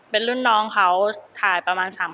เป็นรุ่นน้องเขาถ่ายประมาณ๓๐๐